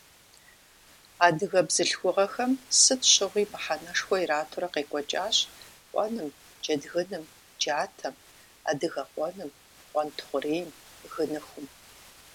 Адыгэ бзылъхугъэхэм сыт щыгъуи мыхьэнэшхуэ иратурэ къекӀуэкӀащ къуэным, джэдгыным, джатэм, адыгэкъуэным, къуэнтхъурейм, гыныхум.